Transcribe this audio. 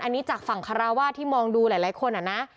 อันนี้จากฝั่งคาราวาสที่มองดูหลายคนนะ